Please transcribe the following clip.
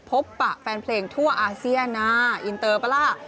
ปะแฟนเพลงทั่วอาเซียนนะอินเตอร์ปะล่ะ